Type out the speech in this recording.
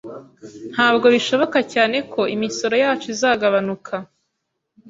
Ntabwo bishoboka cyane ko imisoro yacu izagabanuka